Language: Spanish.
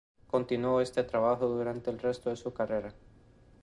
Continuó este trabajo durante el resto de su carrera.